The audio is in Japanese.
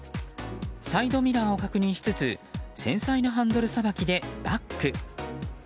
サイドミラーを確認しつつ繊細なハンドルさばきでバック。